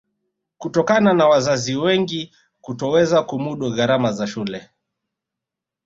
Kutokana na wazazi wengi kutoweza kumudu gharama za shule